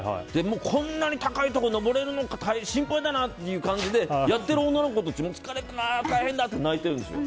こんなに高いとこ登れるのか心配だなっていう感じでやっている女の子たちも疲れたな、大変だなって泣いているんですよ。